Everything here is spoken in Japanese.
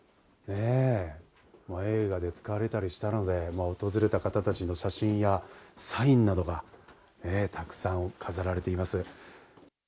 映画で使われたりしたので、訪れた人の写真やサインがたくさん飾られています。